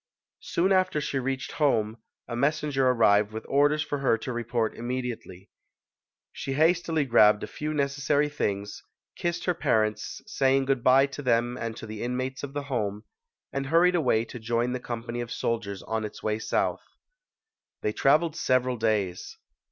Soon after she reached home, a messenger ar rived with orders for her to report immediately. She hastily grabbed a few necessary things, kissed 98 ] UNSUNG HEROES her parents, saying good bye to them and to the inmates of the home, and hurried away to join the company of soldiers on its way south. They trav eled several days.